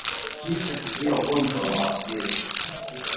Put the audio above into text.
Jinsi ya kuzuia ugonjwa wa bawasiri